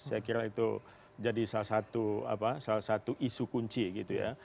saya kira itu jadi salah satu isu kunci gitu ya